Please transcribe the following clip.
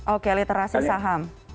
oke literasi saham